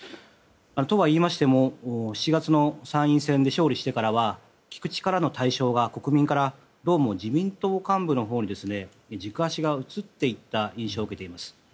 とはいいましても７月の参院選で勝利してからは聞く力の対象が、国民からどうも自民党幹部のほうに軸足が移っていった印象を受けています。